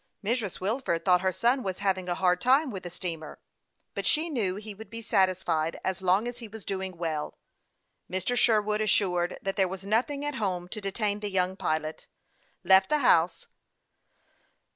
Mrs. Wilford thought her son was having a hard time with the steamer ; but she knew he would be satisfied as long as he was doing well. Mr. Sher wood, assured that there was nothing at home to detain the young pilot, left the house.